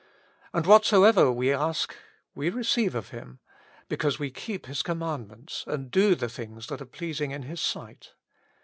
And whatsoever we ask we receive of Him, because we keep His com mandments, and do the things that are pleasing in His sight."